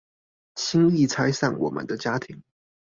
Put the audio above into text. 輕易拆散我們的家庭